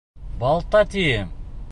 Балта, тием!